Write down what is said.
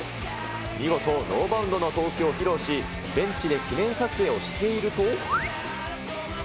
見事ノーバウンドの投球を披露し、現地で記念撮影をしていると。